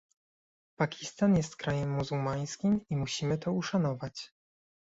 Pakistan jest krajem muzułmańskim i musimy to uszanować